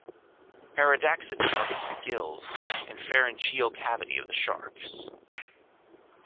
Pardaxin targets the gills and pharyngeal cavity of the sharks.